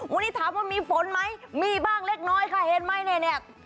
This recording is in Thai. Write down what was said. วันนี้ถามว่ามีฝนไหมมีบ้างเล็กน้อยค่ะเห็นไหมเนี่ย